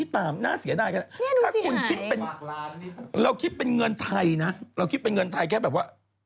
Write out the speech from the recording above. ถ้าคุณคิดเราคิดเป็นเงินไทยนะเราคิดเป็นเงินไทยแค่แบบว่า